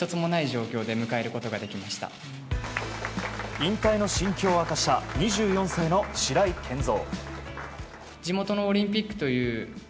引退の心境を明かした２４歳の白井健三。